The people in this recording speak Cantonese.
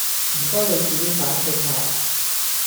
唔該你自己反省下